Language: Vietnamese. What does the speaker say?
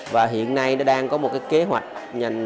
và hiện nay nó đang có một kế hoạch